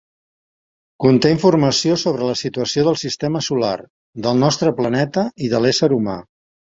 Conté informació sobre la situació del sistema solar, del nostre planeta i de l'ésser humà.